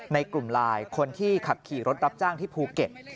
ในกลุ่มไลน์คนที่ขับขี่รถรับจ้างที่ภูเก็ต